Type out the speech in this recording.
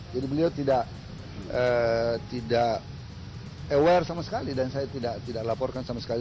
jadi beliau tidak aware sama sekali dan saya tidak laporkan sama sekali